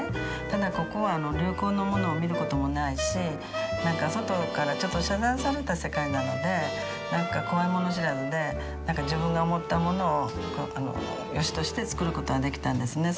ただここは流行のものを見る事もないし何か外からちょっと遮断された世界なので何か怖いもの知らずで自分が思ったものをあのよしとして作る事ができたんですね。